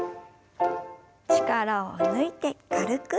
力を抜いて軽く。